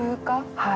はい。